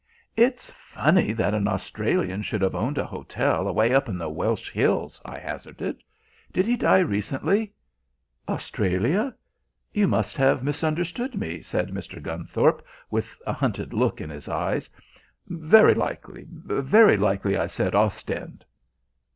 "It's funny that an Australian should have owned an hotel away up in the Welsh hills," I hazarded. "Did he die recently?" "Australia? You must have misunderstood me," said Mr. Gunthorpe with a hunted look in his eyes. "Very likely very likely I said Ostend."